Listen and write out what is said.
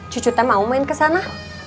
cucu teh mau main kesana